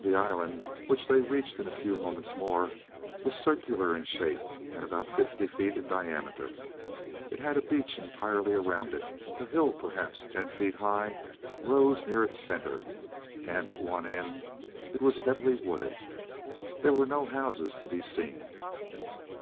The island, which they reached in a few moments more, was circular in shape, and about fifty feet in diameter. It had a beach entirely around it; a hill perhaps ten feet high rose near its center, and at one end it was heavily wooded. There were no houses to be seen.